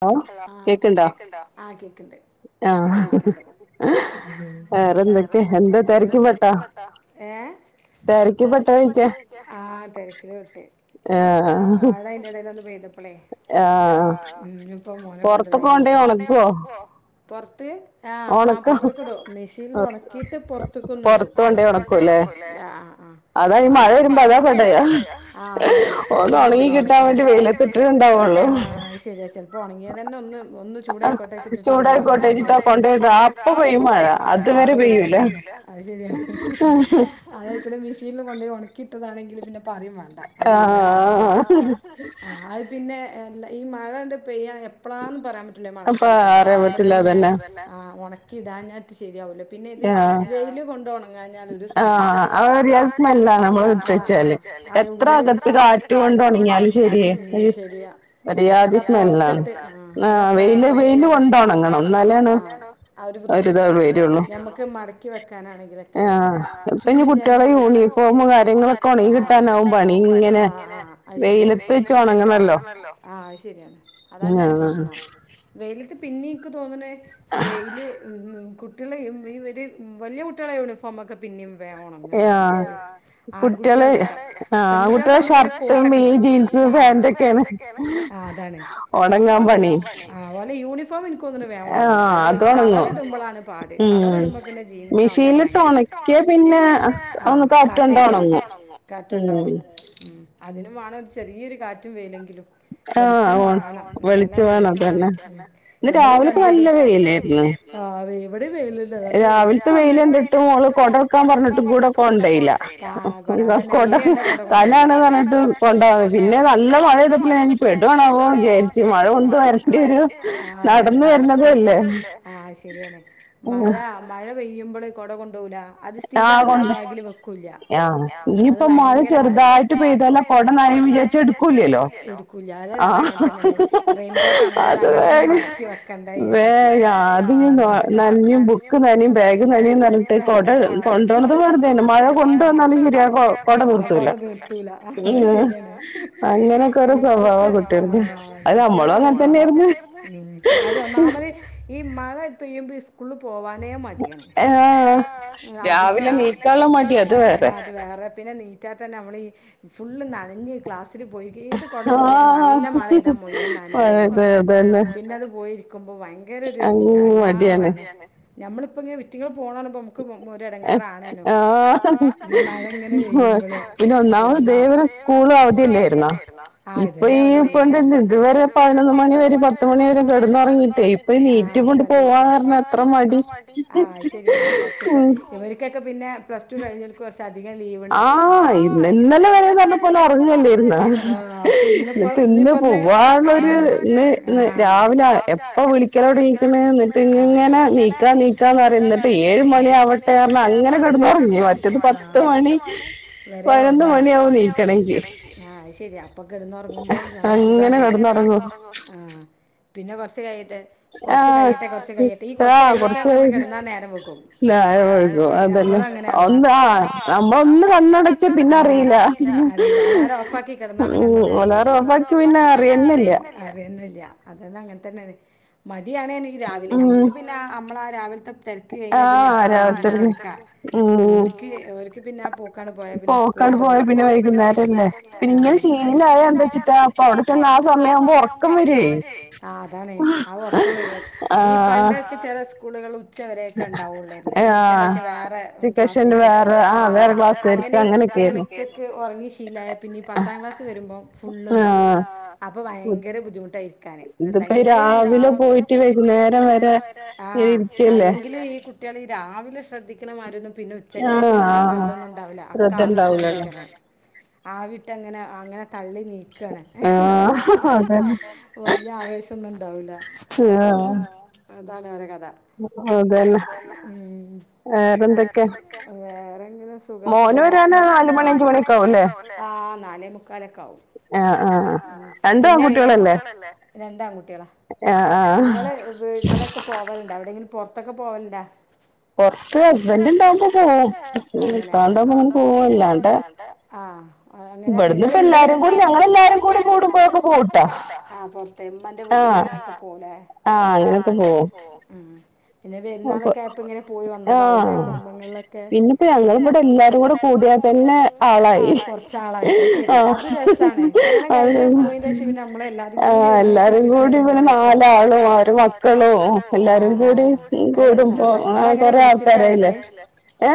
[unintelligible] ആഹ് കേക്കണ്ട ആഹ് കേക്കണ്ട് [inaudible] വേറെന്തൊക്കെ എന്താ തിരക്കി പെട്ട തിരക്ക പെട്ട ചോദിക്കാ- ആഹ് തിരക്കില് പെട്ട് [unintelligible] മഴ അതിനിടൽ ഒന്ന് പെയ്ത [unintelligible] ആ ആഹ്- [unintelligible] പുറത്തൊക്കെ കൊണ്ടോയി ണക്കോ ആഹ് ആഹ് പുൊറത്തക്ക ഇടും- മെഷീനിൽ ഉണക്കിയിട്ട് പുറത്തൊക്കെ ഒന്ന്ടും- പുറത്ത് കൊണ്ടോയി ഒണക്കുമല്ലേ- ആ ആ ആ് അതാ ഈ മഴ വരുമ്പോ അതാ പെട [unintelligible] ഒന്ന് ഉണങ്ങി കിട്ടാൻ വേണ്ടി വെയിലത്ത് ഇട്ട്ണ്ടാവുള്ളൂ ആഹ ശരിയ ചിലപ്പോ ഉണങ്ങിയത് തന്നെ ഒന്ന് ഒന്ന് ചൂടയിക്കോട്ടേെച്ചിട്ടിട്ടുണ്ടാവും [unintelligible] അപ്പൊ പെയും മഴ- അത് വരെ പെയൂല- അത് ശരിയാണ് ഹ്ഹ [unintelligible] [unintelligible] മീഷനിൽ [unintelligible] ഒണക്കി ഇട്ടതെണേൽ പിന്നെ പറയും വേണ്ട [unintelligible] അത് പിന്നെ ഇല്ല ഈ മഴണ്ട് പെയ്യാ- എപ്പഴാന്ന പറയാൻ പറ്റില്ലോ മണക്കാലാവുമ്പോ [unintelligible] പിന്നെ ആ ഉണക്കി ഇതാഞ്ഞാട്ട് ശരിയാവല്ലോ പിന്നെ ഇത് വെയില് കൊണ്ടോണം ഓണങ്ങാഞ്ഞാൽ ഒരു സ്മെല്ലാ [unintelligible] അത് ഉള്ളിൽ വെച്ച കാറ്റ് കൊണ്ട് ഒണങ്ങിയാലും- ശരിയാ [unintelligible] പുറത്തിട്ട്- ആഹ് വെയിൽ കൊണ്ട് ഓണങ്ങണം- എന്നാലാണ് ആ വൃത്തി ഉണ്ടാവുന്നത് ഞമ്മുക്ക് മടക്കി വെക്കാനാണെങ്കില ചൂടിലാഞ്ഞാൽ- കുട്ട്യോളെ യൂണിഫോം കാര്യങ്ങളൊക്കെ ഒണങ്ങി കിട്ടാനാവും പണി ഇങ്ങനെ ആ അത് ശരിയ വെയിലത്ത് വെച്ച് ഒണങ്ങാണല്ലോ- ആ അത് ശരിയാണ് അതന്നെ പ്രശ്നം- വെയിലത്ത് പിന്നെ എനിക്ക് തോന്നണ വെയില് മ്മ് കുട്ടികളെയും ഈ ഒരു വലിയ കുട്ടികളെ യൂണിഫോമ ഒക്കെ പിന്നെയും വേം ഒണങ്ന്ന്ണ്ട്- ആൺകുട്ടികളുടെക്കെ പെൺകുട്ടികള ആകുമ്പോ പിന്നെ [unintelligible] [unintelligible] ആ അതാണ് ഉണങ്ങ പണി ഇപ്പം എനിക്ക് തോന്നുന്ന് വേം ഒണങ്ങും- ഒരു കളർ ഇടുമ്പോളാണ് പാട് കളർ ഇടുമ്പോ പിന്നെ ജീൻസ് ആവുമ്പോ ഭയങ്കരം [unintelligible] [unintelligible] ഒണക്കിയ പിന്നെ- ആഹ് കറ്റ് തട്ടിയ മതി- കാറ്റ് കൊണ്ട വേം ണങ്ങും അതിനും വേണം ചെറിയൊരു കാറ്റും വെയിലെങ്കിലും- വെളിച്ചം [unintelligible] [unintelligible] നമ്മള് കണ്ടടും- രാവിലൊക്കെ നല്ല വെയിൽ ആയിരുന്നു വെയില നല്ല വെയില്- രാവിൽത്തെ വെയില് കണ്ടിട്ടും മോള് കുട എടുക്കാൻ പറഞ്ഞിട്ടും കൂടെ കൊണ്ടോയില്ല അതന്നെ വെയില് കണ്ട കുട കൊണ്ടോവൂല - [unintelligible] പിന്നെ നല്ല മഴെയ്തപ്പോഴ പെടവാണാവോ വിചരിച്ച മഴ കൊണ്ട് വരണ്ട- നടന്ന വരതല്ലേ- ആ ശരിയാണ് മഴ മഴ പെയ്യുമ്പൊള് കുട കൊണ്ട് ണ്ടോവൂല അത് സ്ഥിരാ റ്റാ ബാഗിൽ വെക്കൂല്ല്യ അത് ഭയങ്കര ഭാര. ഇപ്പൈ മഴ ചെറുതായിട്ട് പെയ് കൊട നനയും വിചാരി എടുക്കൂല്യല്ലോ എടുക്കൂല അതെ അത് അങ്ങനെ തന്നെ ആണ് റെയിൻകോട്ട് ആണെങ്കി അത് അങ്ങട്ട് തന്നെ മടക്കി വെക്കണ്ടാ വിജാച്ചിട്ട് ബുക്ക് നനയും ബാഗ് നനയുംന്ന് പറഞ്ഞിട്ട് ആ കൊട കൊടള്ളത് വെറുതെ ആണ് മഴ കൊണ്ടുവന്നാലും ശരിയാ ആ കൊട നീർത്തൂല ശരിയാണ് അങ്ങനെ ഓരോ സ്വഭാവമാണ് അത് അങ്ങനെ തന്നെ ആയിര്ന്ന് അത് ഒന്നാമത് ഈ മഴ പ്പെയ്യുമ്പോ ഈ സ്കൂള് പോവാനേ മടിയാണ് അധികം ആ രാവിലെ നീക്കാനുള്ള മടി അത് വേറെ പിന്നെ നീറ്റാ തന്നെ നമ്മളീ ഫുള്ള് നനഞ്ഞ് ക്ലാസ് ത്തി പോയി ഏത് കുടെ ചൂടിയാലും നല്ല മഴ പെയ്താ മുഴുവൻ പിന്നെ അത് പോയിരിക്കുമ്പോ ഭയങ്കര ഒരു എടങ്ങേറാണ് നമ്മളിപ്പ ഇറ്റെങ്ങൾ പോണ കാണുമ്പോ ഒരെടങ്ങാറാണാനും ഈ മഴ ഇങ്ങനെ പെയ്യുമ്പള് പിന്നെ ഒന്നാമത് ഇതേ സ്കൂളും അവധിയെല്ലായിര്ന്നാ ആ ഇതുവരെ അവധി അല്ലാര്ന്നാ പതിനൊന്ന് മണി വരെ പത്തുമണി വരെ കെടന്നുറങ്ങീട്ടേ ഇപ്പൊ ഈ നീറ്റി കൊണ്ട് പോവാന്ന് പറഞ്ഞ എത്ര മടി ഉം ഇവർക്കൊക്കെ പിന്നെ പ്ലസ് ടു കഴിഞ്ഞോൽക്ക് കുറച്ച് അ കം ലീവ് ഉണ്ടാവും ആ ഇന്നലെ വരെ നല്ലപോലെ ഒറങ്ങല്ലാര്ന്ന ആ ഇന്ന് പൊ ന്ന് പോവാ ള്ളൊര് ഇന്ന് ഇന്ന് രാവിലെ എപ്പ വിളിക്കലൊടെങ്ങീക്ക്ണ് ന്നിട്ട് ഇങ്ങനെ നീക്ക നീക്കാന്ന് പറ എന്നിട്ട് ഏഴ് മണി ആവട്ടെ അങ്ങനെ കിടന്ന് തുറങ്ങി മറ്റത് പത്ത് മണി മണി പതിനൊന്ന് മണി ആവും നീക്കണെങ്കി ശെരി അപ്പൊ കിടന്നുറങ്ങുമ്പോ നല്ല സുഖാണ് കെടന്നുറങ്ങും ആ പിന്നെ കുറച്ച് കഴി കൊറച്ച് കഴിയട്ടെ കൊറച്ച് കഴിയട്ടെ ഈ കൊറച്ച് കഴിയെട്ടെന്ന് പറഞ്ഞ് കെട്ന്നാ നേരം വൈകും ല്ലേ ഒന്നാ നമ്മള ഒന്ന് കണ്ണടച്ചാ പിന്നെ അറിയില്ല കിടന്നാ പിന്നെ അങ്ങ് നേരം വൈകും അലാറം ഓഫാക്കിയാ പിന്നെ അറിയെന്നില്ല അറിയെന്നില്ല അതന്ന അങ്ങനെ തന്നെ മടിയാണ രാവിലെ ഞമ്മക്ക് പിന്നെ നമ്മളെ രാവിലത്തെ തിരക്ക് കഴിഞ്ഞാ പിന്നെ എപ്പ വേണങ്കിലും കെട്ക്കാ ഓര്ക്ക് ഓര് പിന്നെ ആ പോക്കാണ് പോയാ പിന്നെ സ്കൂള് വിട്ട് വന്ന പോക്കാ പോയാൽ പിന്നെ വൈകുന്നേരം അല്ലേ പിന്നെ ശീലായാ എന്താച്ചാ ഇപ്പ അവിടെ ചെന്നാ ആ സമയം ആവുമ്പോ ഒറക്കം വരേയ് അ അതാണ് ആ ഒറക്കം വരും ഈ പണ്ടൊക്കെ ചെല സ്കൂളുകള് ഉ ഉച്ചവരൊക്കെ ഉണ്ടാവുള്ളാരുന്നു പിന്നെ ഉച്ചക്ക് ശേഷം വേറെ ക്ലാസ്സേയ്ക്കും സ്പെഷ്യല് വേറെ അങ്ങനെ ആ വേറെ കുട്ട്യാള് ഉച്ചക്ക് ഒറങ്ങി ശീലായ പിന്നെ ഈ പത്താം ക്ലാസ് വരുമ്പോ ഫുളള് ഇണ്ടാവും അപ്പൊ ഭയങ്കര ബുദ്ധിമുട്ടായിരിക്കും രിക്കാന് അല്ലെങ്കിലേ രാവിലെ പോയിട്ട് വൈകുന്നേരം വരെ ആ അല്ലെങ്കിലേ ഈ കുട്ട്യാള് രാവിലെ ശ്ര ക്കണ മാതിരിയൊന്നും പിന്നെ ഉച്ചക്കേഷം വല്യ ശ്രദ്ധ ഒന്നും ഇണ്ടാവില്ല അ ക ആദ്യത്ത കൊണ്ടണം ആ വിട്ടങ്ങനെ അങ്ങനെ തള്ളി നീക്കാണ് വലിയ ആവേശം ഒന്നും ഉണ്ടാവില്ല ആ അതാണ് ഒരെ കഥ അതന്നെ ഉം വേറെന്തൊക്കെ വേറെങ്ങിനെ സുഖായിട്ട് പോണ് മോന് വരാന് നാല്മണി അഞ്ചണയൊക്കെ ആകും അല്ലേ ആ ആ നാലെ മുക്കാലൊക്കെ ആവും ആ ആ ആ പിന്നെ രണ്ടാൺകുട്ടികളല്ലേ രണ്ടാൺകുട്ടികളാ നിങ്ങള് ഇവ് ഇവിടൊക്കെ പോവലുണ്ടാ എവിടെങ്കിലും പുറത്തൊക്കെ പോവല്ണ്ട പൊറ പൊറത്ത് ഹസ്ബന്റ് ഇണ്ടാവുമ്പോ പോവും അങ്ങനെ അതൊണ്ട് പോ പോവും അല്ലാണ്ടെ ആ അ അങ്ങനെ നിങ്ങള് നിങ്ങള് ഞങ്ങൾ എല്ലാരും ഞങ്ങള് എല്ലാരും കുടുംബൊക്കെ പോട്ടാ മ്മന്റെ വീട്ടിൽ അങ്ങനെ പോല ആഹ് അങ്ങനൊക്കെ പോകും പിന്നെ പെരുന്നാളൊക്കെ ആയപ്പ ഇങ്ങനെ പോയി വന്നതാവൂലേ കുടുമ്പങ്ങളിലൊക്കെ കൊറച്ചാളായി അത് ശരിയ അത് രസാണ് കണം കഴിഞാ. നമ്മളെല്ലാരും കൂടി ഒരുമിച്ച് വരുമ്പോ രസ. ആരസണ് നിങ്ങളങ്ങനെ വിളിച്ചിട്ടാ വരാല്ല്.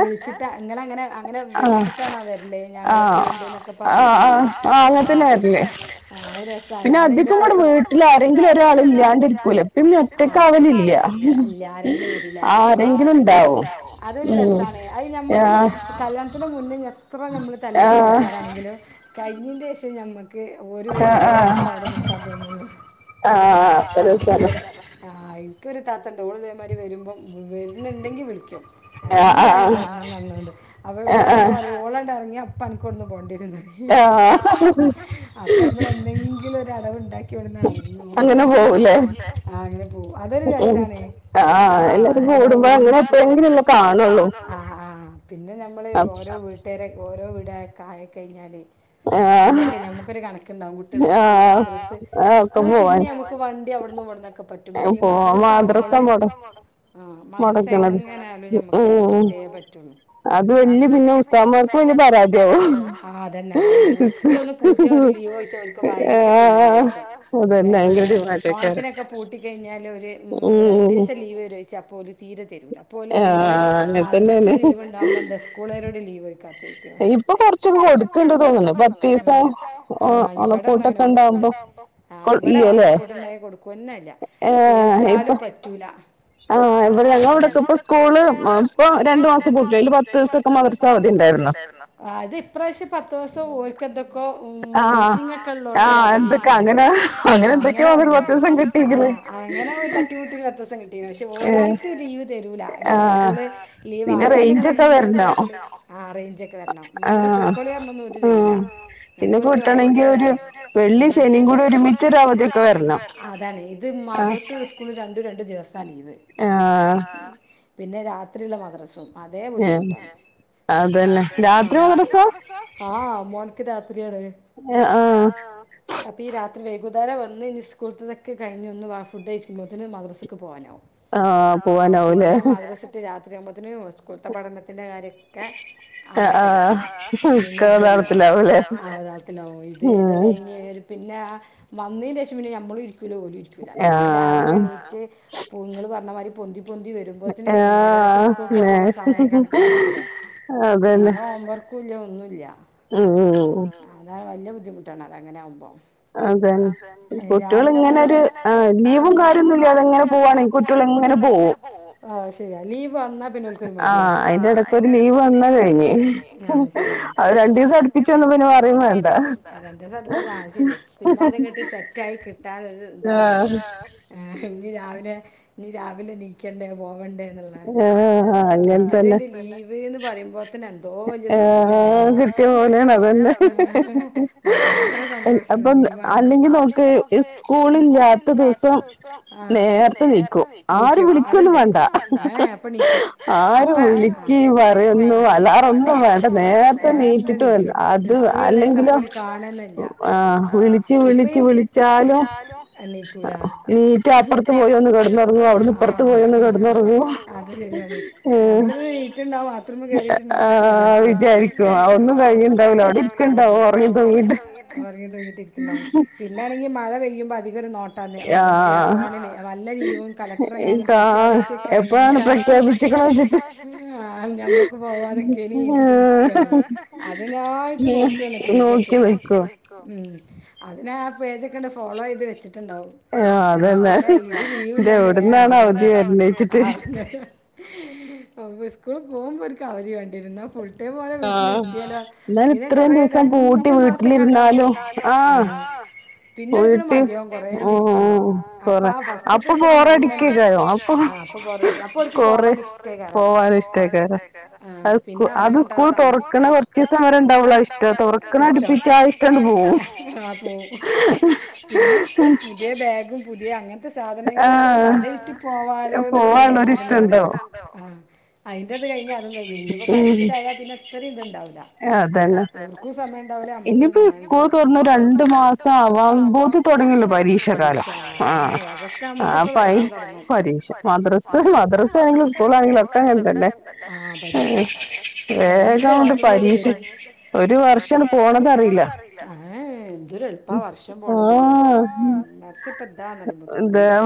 വിളിച്ചിട്ട് അങ്ങനെ അങ്ങനെ അങ്ങനെ വിളിച്ചിട്ടാണോ വരല്ലേ ഞങ്ങള് പോകണ്ടെന്നൊക്കെ പറഞ്ഞിട്ടേ. ആഹ് അങ്ങനെ തന്നെ കാട്ടൽ. പിന്നെ അധികം കൂടെ വീട്ടിൽ ആരങ്കിലും ഒരാൾ ഇല്ലാണ്ടിരിക്കൂല പ്പി മ്മി ഒറ്റക്കാവുല. ഇല്ല ആരെങ്കിലും ണ്ടാവും അതൊരു രസാണ്. അത് ഞമ്മക്ക് കല്യാണത്തിന് മുൻപ് - എത്ര നമ്മള് തല്ലൂടി ആൾക്കാരാണെങ്കിലും കഴിഞ്ഞിന്റെ ശേഷം- ഓര് വരുമ്പോഴേ ഞമ്മക്ക് അവിടെ നിക്കാൻ തോന്നുള്ളൂ. ആഹ് എനിക്കൊരു താത്തണ്ട ഓള് ഇതേ മാതിരി വരുമ്പോ- വരനെങ്കിൽ വിളിക്കും എന്തായാലും വരണ്സം ന്നറഞ്ഞണ്ട് അപ്പൾ ഇവിടെമ്മോളണ്ടിറങ്ങിയ പങ്ക്കുവടന്ന പോകേണ്ടി വരും. അപ്പൊ നമ്മൾ എന്തെങ്കിലു ഒരടവ് ണ്ടാക്കിവിടെന്നറങ്ങും ആ അങ്ങനെ പോവും ലെ. അതൊരു രസാണെ. ആഹ് ആ കൂടുമ്പോ എപ്പളെങ്കിലുമല്ലേ കാണൂ പിന്നെ ഞമ്മൾ ഓരോ- ആ വീട്ടുകാര ഓരോ വീടൊക്കെ കഴിഞ്ഞാല് - ആഹ് ണ്ടാവും കുട്ടുടെ സ്കൂ മ്ര സ്കൂള് പിന്നെ നമക്ക് വണ്ടി അവിടന്നുംവിടന്നൊക്കെ പറ്റും പക്ഷെ ഈ മദ്രസ്- മദ്രസവുമ്പോൾ മദ്രസ എങ്ങനായാലും ഞമ്മക്ക് നടത്തിയേ പറ്റു,. അത് വല്ല്യ പിന്നെ ഉസ്താമാർക്കും വല പരാതിയാവും അതന്നെ ആ സ്കൂളൊന്ന് പൂട്ടിയ - ഭയങ്കര ഡ ഓണത്തിനൊക്കെ പൂട്ടി കഴിഞ്ഞാൽ ഒരു രണ്ട് ദിവസം ലീവ് തരും അപ്പോ ഒരു തീരെ തരൂ അപ്പോലും ങ്ങള് മദ്രസ് ലീവ്ണ്ടാവുമ്പോ എന്താ സ്കൂളരോടെ ലീവ്ക്കാ ഇപ്പൊ കൊറച്ചൊക്കെ കൊടുക്കേണ്ടത് തോന്നണ പ- ആഹ് ഇവിടെ ഒന്നും അങ്ങനെ കൊടുക്കൂ ആ ഇവിടെക്ക്രു മ കൊടുക്കുംന്നല്ല. ചോദിച്ചാലും പറ്റൂല. ആ ഇവിടെ ഞങ്ങ ഇടക്ക ഇപ്പ സ്കൂള് ഇപ്പ രു മാസം പൂട്ടില്ല അല് പത്ത് ദിവസംക്കെ മദ്രസ അവധിയാ. അത്പ്രാവശ്യം പത്ത് ദസം ഓക്കന്തൊ? മീറ്റിംഗ ഒക്കെള്ളണ്ട് അവധി അങ്ങനെ പറഞ്ഞ. അങ്ങനെ ഒരു തട്ടി മുട്ടി ഒരു പത്തുസം കിട്ടി. അ പക്ഷെ ഒരായിട്ടും ലീവ് തരൂല നിങ്ങള് സ്കൂള് ലീവ് ആയതോണ്ട് നിങ്ങ ഇങ്ങക്കൊള. ആ രേഞ്ചോക്കെ വരണം നിങ്ങൻ്വിടെ പൊയ്ക്കോളും പറഞ്ഞൊന്നും ഓൽ തരൂല അപ്പോക്ക് ഭയങ്കരതാണ് അത ഇ മദ്രസ്സും സ്കൂളും രണ്ടും രണ്ട് ദിവസ തലീവ് പിന്നെ രാത്രിയുള്ള മദ്രസവും. അതേ ബുദ്ധിമുട്ട ആഹ മോക്ക് രാത്രി മദ്രസ്സ ആ മോക്ക് രാത്രി മദ്രസ്സ. ത്രിയാണ് അ ആഹ് അപ്പേ ഈ രാ അത്ര വൈഗുതര വന്ന് ഇനി സ്കൂത്തക്കെ കഴിഞ്ഞോന്ന് ആ ഫഡ് ഫുഡാഴ്ചതുംപോത്തിന് മദ്രാസക്ക് പോകാനാവും. ആഹ് പോവാനാവൂലേ. സ്കൂൾതെ പഠന - കാര്യൊക്കെ അവിടെ കെടക്കും. ആ യഥാത്തിന ഇത് ഇത് കഴിഞ് പിന്നെ വന്നതിന് ശേഷം പിന്നെ ഞമ്മൾ. പോലി ഇരിക്കൂല പിന്നെ രാവിലെ എണീറ്റ്ങ്ങൾ പറഞ്ഞ മാതിരി പൊന്തി. പൊന്തി വരുമ്പോത്തന് ഏകദേശം സ്കൂക്ക് പോവാനുള്ള സമയം കണക്കാക്കൂല. പിന്നെ ഹോംവർക്കൂല്ല ഒന്നുല്ലാ. ആഹ് അത് വല്യ ബുദ്ധിമുട്ടാണ് അതങ്ങനെ ആകുമ്പോ അതന്നെ കുട്ടികൾ ഇങ്ങനൊരു ലീവും കാര്യംന്നുല്ലാതെ അതെങ്ങനെ പോവാണെങ്കിൽ കുട്ടികൾ ശരിയാ നീ പറഞ്ഞ ന്നെക്കൊരു മടിയാ അതിനെടക്ക് ലീവ് വന്ന കയിഞ്ഞ് ശരിയ അടുപ്പിച്ച് വന്ന പിന്നെ പറയും വേണ്ട രണ്ടീസം അടുപ്പിച്ച അത്ശരിയാ പിന്നെ അതങ്ങട്ട് സെറ്റ് ആയി കിട്ടാൻ ഇനി രാവിലെ ഇനി രാവിലെ ണീക്കണ്ടേ പോവണ്ടേ മറ്റേത് ലീവ് എന്ന് പറയുമ്പോത്തന്നെ എന്തോ വലുത് കിട്ടിയ മാരിയാണ് അതന്നെ അപ്പൊ അല്ലെങ്കി നോക്ക് സ്കൂള് സ്കൂള് ഇല്ലാത്ത ദിവസം ആ നേരത്തെ ണീക്കും, ണീക്കും അതിണ്ട് ആരും വിളിക്കൊന്നും വേണ്ട അപ്പൊ വേണ്ട നേരത്തെ ണീറ്റിട്ട് സ്കൂള് ഇള്ള ദീസം ഓല് കാണലന്നല്ല വിളിച്ച് വിളിച്ചാലും എണീക്കൂല എണീറ്റ അപ്പറത്ത് പോയൊന്ന് കെടന്ന് ഒറങ്ങും ഇപ്പറത്ത് പോയൊന്ന് കെടന്ന് ഒറങ്ങും ശരിയാണ് നമ്മളിത് ണീറ്റ്ണ്ടാവും ബാത്ത്റൂമി കേറിട്ടുണ്ടാവും വിചാരിക്കും ആ വിചാരിക്കും കഴിഞ്ഞിണ്ടാവുല്ല അവടെ ഇരിക്കിണ്ടാവും ഒറങ്ങി തൂങ്ങിയിട്ട് ഒറങ്ങി തൂങ്ങിയിട്ട് ഇരിക്കിണ്ടാവും പിന്നൊണെങ്കിൽ മഴ പെയ്യുമ്പോ നോട്ടാന്ന് ഫോണില് വല്ല ലീവും കലക്ടർങ്ങാനും പ്രഖ്യാപിച്ച് കഴിഞ്ഞ ആ ഞമ്മക്ക് പോവാതെക്കേനിച്ചിട്ട് നിക്കേണ് അതിനായിട്ട് നോക്കാണ് പേജൊക്കെ അതിന് ആ പേജൊക്കെണ്ട് ഫോളോ ചെയ്ത് വെച്ചിട്ടുണ്ടാവും എന്നാപിന്നെ ഇത് ലീവ് ഇണ്ടാന്ന് വേം അറിയാലോ എവിടെന്നാണ് അവധി വരുന്നത് വെച്ചിട്ട് സ്കൂളിൽ പോകുമ്പോ ഒരുക്ക് അവധി വേണ്ടിര്ന്ന് ഫുൾ ടൈം പോലെ വീട്ടിലിരിക്കേലാ പിന്നെ കൊറേ രണ്ട് മാസക്കെണ്ടാവുമ്പോ ആ പിന്നെ ഓർക്ക് മതിയാവും കൊററേണ്ട് ഇരിക്കൂലോ അപ്പ ഫസ്റ്റത്തെ ദിവസം നല്ല പോവാന് ഇഷ്ടായികാരം ആ പിന്നെ അത് സ്കൂൾ തൊറക്കണ കുറച്ചീസം വരെ [unintelligible] തൊറക്കണ അടുപ്പിച്ച ഇഷ്ടം അങ്ങട് പോവും പുതിയ ബാഗും പുതിയ അങ്ങനത്തെ സാധനങ്ങളൊക്കെ ആവുമ്പോ അതായിറ്റു പോവാലോ എന്നുള്ള ഒരു ഇതിണ്ടല്ലോ ആ അയിന്റത് കഴിഞ്ഞ അതും കഴിഞ്ഞ് ഇനിയിപ്പോ പരീക്ഷ ആയ പിന്നെ എത്രയും ഇതുണ്ടാവും ആ അവർക്കും സമയണ്ടാവൂല നമ്മക്കും സമയണ്ടാവൂല ഇനി ഇപ്പൊ സ്കൂള് തുറന്ന് രണ്ടു മാസം ആവാമ്പൊത്തിനും തൊടങ്ങല്ലേ പരീക്ഷ ഓഗസ്റ്റ് ആവുമ്പത്തിനും പരീക്ഷ തൊടങ്ങും, പരീക്ഷ മദ്രസ മദ്രസ ആയാലും സ്കൂള് ആയാലും ഒക്കെ ഇങ്ങനെ തന്നെ, ആ പരീക്ഷ രണ്ട് പരീക്ഷ ഒരു വർഷങ്ങട് പോണത് അറീല ഏ എന്തൊരു എളുപ്പ വർഷം പോണത് വർഷപ്പ താ പറയുമ്പോത്തിനും പോണിണ്ട്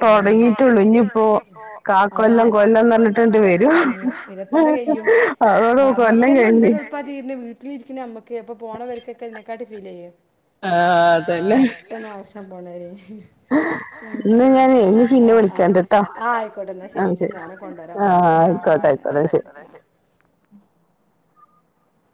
ഇപ്പൊ ഇങ്ങട് തൊടങ്ങീട്ടൊള്ളൊ ഇനി അതന്നെ കാ കൊല്ലം പറഞ്ഞിട്ട് ഇരുവത്തിയാർ കഴിയും [unintelligible] നമ്മക്കന്നെ എന്തൊരു എളുപ്പ തീരണത് വീട്ടിലിരിക്കണ നമ്മക്കേ അപ്പൊ പോണവര്ക്കൊക്കെ അതിനെക്കാട്ടി ഫീൽ ചെയ്യോ ആ അതേലേ [unintelligible] [unintelligible] ന്നാ ഞാനെ പിന്നെ വിളിക്കാട്ടാ ആ ആയിക്കോട്ടെ എന്നാ ശരീ ന്റെ മോനെ കൊണ്ടുവരാൻ പോണ്ട് ആയിക്കോട്ടെ ആയിക്കോട്ടെ ശരി [unintelligible]